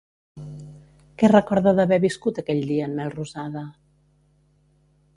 Què recorda d'haver viscut aquell dia en Melrosada?